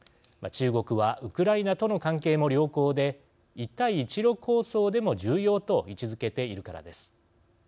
中国はウクライナとの関係も良好で、一帯一路構想でも重要と位置づけているからです。